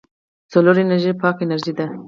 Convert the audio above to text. سولر انرژي پاکه انرژي ده.